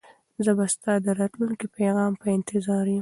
زه به ستا د راتلونکي پیغام په انتظار یم.